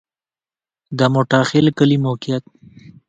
د موټاخیل کلی موقعیت